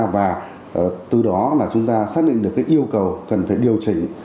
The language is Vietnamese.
và từ đó chúng ta xác định được yêu cầu cần phải điều chỉnh